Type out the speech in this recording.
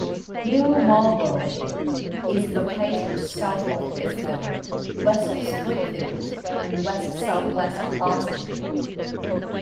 New Marlborough is located south of Pittsfield, west of Springfield and west-southwest of Boston.